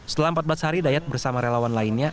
setelah empat belas hari dayat bersama relawan lainnya